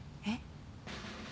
えっ？